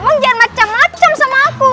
emang jangan macam macam sama aku